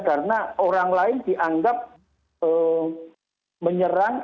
karena orang lain dianggap menyerang